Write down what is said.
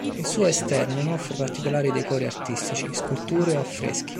Il suo esterno non offre particolari decori artistici, sculture o affreschi.